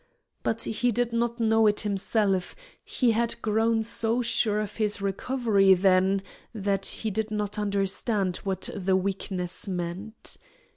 But he did not know it himself; he had grown so sure of his recovery then that he did not understand what the weakness meant.